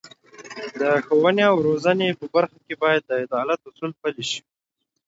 د ښوونې او روزنې په برخه کې باید د عدالت اصول پلي شي.